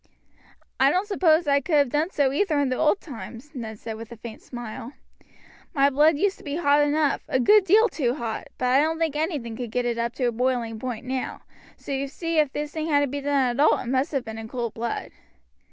"I don't suppose I could have done so either in the old times," Ned said with a faint smile. "My blood used to be hot enough, a good deal too hot, but I don't think anything could get it up to boiling point now, so you see if this thing had to be done at all it must have been in cold blood."